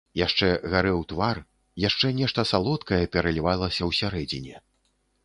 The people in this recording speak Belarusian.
Яшчэ гарэў твар, яшчэ нешта салодкае пералівалася ўсярэдзіне.